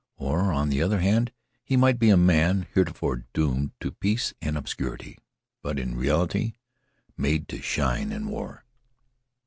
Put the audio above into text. Or, on the other hand, he might be a man heretofore doomed to peace and obscurity, but, in reality, made to shine in war.